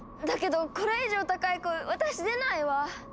だけどこれ以上高い声私出ないわ！